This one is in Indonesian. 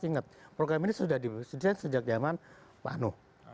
ingat program ini sudah disediakan sejak zaman pak ano